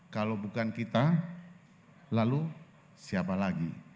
kalau bukan kita lalu siapa lagi